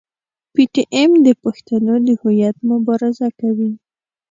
پي ټي ایم د پښتنو د هویت مبارزه کوي.